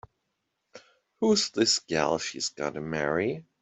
Who's this gal she's gonna marry?